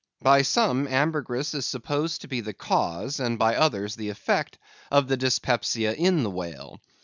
By some, ambergris is supposed to be the cause, and by others the effect, of the dyspepsia in the whale.